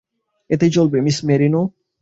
এতেই চলবে, miss merino.